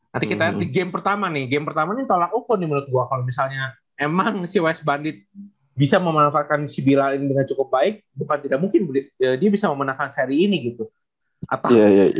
nanti kita lihat di game pertama nih game pertama ini tolak uku nih menurut gue kalau misalnya emang si west bandit bisa memanfaatkan sibil ini dengan cukup baik bukan tidak mungkin dia bisa memenangkan seri ini gitu